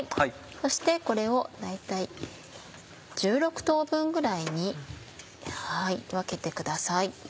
そしてこれを大体１６等分ぐらいに分けてください。